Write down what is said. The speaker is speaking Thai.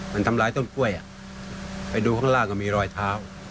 มันทำร้ายต้นกล้วยไปดูข้างล่างก็มีรอยเท้า